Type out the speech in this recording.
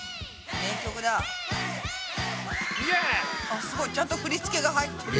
あっすごいちゃんと振り付けが入ってる。